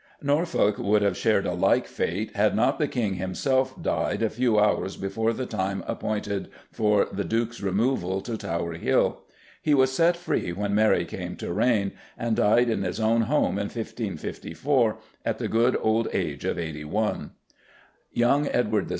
Norfolk would have shared a like fate, had not the King himself died a few hours before the time appointed for the Duke's removal to Tower Hill. He was set free when Mary came to reign, and died in his own home in 1554 at the good old age of eighty one. Young Edward VI.